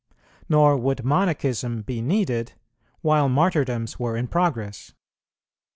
Nor would monachism be needed, while martyrdoms were in progress.